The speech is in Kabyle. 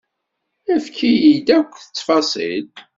Efk-iyi-d akk ttfaṣil.